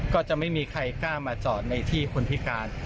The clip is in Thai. ก็จะไม่มีใครกล้ามาจอดในที่คนพิการ